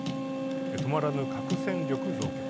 止まらぬ核戦力増強。